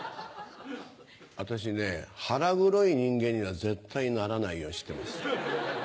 私ね腹黒い人間には絶対にならないようにしてます。